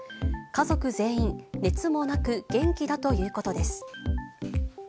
家族全員、熱もなく、元気だということです。